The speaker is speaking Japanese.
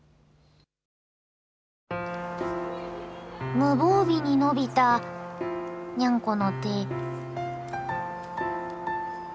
無防備に伸びたにゃんこの手。